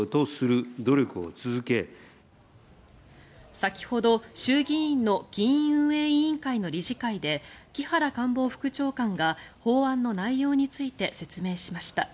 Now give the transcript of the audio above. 先ほど衆議院の議院運営委員会の理事会で木原官房副長官が法案の内容について説明しました。